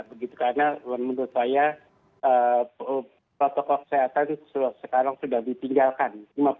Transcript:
karena menurut saya protokol kesehatan sekarang sudah ditinggalkan